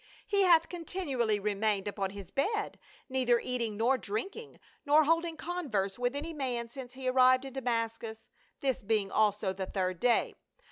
" He hath continually remained upon his bed, neither eating nor drinking, nor holding converse with any man since he arrived in Damascus, this being also the third day.